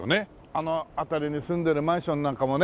あの辺りに住んでるマンションなんかもね